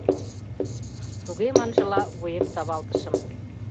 «Туге» маншыла вуем савалтышым.